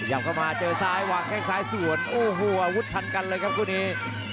เข้ามาเจอซ้ายวางแข้งซ้ายสวนโอ้โหอาวุธทันกันเลยครับคู่นี้